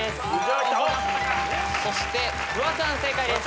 そしてフワちゃん正解です。